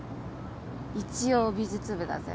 一応美術部だぜ。